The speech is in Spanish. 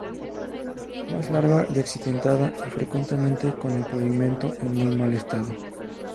Más larga y accidentada, y frecuentemente con el pavimento en muy mal estado.